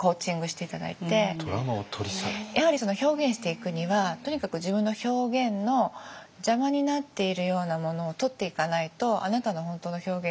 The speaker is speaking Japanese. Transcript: やはり表現していくにはとにかく自分の表現の邪魔になっているようなものを取っていかないとあなたの本当の表現ができないよね。